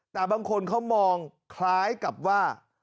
แต่บางคนเขามองคล้ายกับว่า